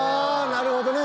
なるほどね。